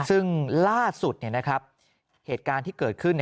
ซึ่งล่าสุดเหตุการณ์ที่เกิดขึ้น